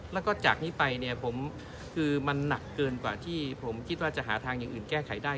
แล้วก็จากนี้ไปเนี่ยผมคือมันหนักเกินกว่าที่ผมคิดว่าจะหาทางอย่างอื่นแก้ไขได้